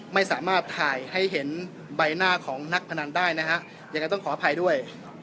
ไม่สามารถถ่ายให้เห็นใบหน้าของนักพนันได้นะฮะยังไงต้องขออภัยด้วย